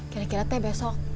kira kira teh besok